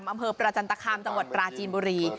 อำเภอประจันตคามจังหวัดปราจีนบุรี